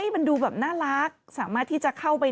มันดูแบบน่ารักสามารถที่จะเข้าไป